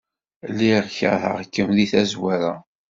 Lliɣ keṛheɣ-kem deg tazwara.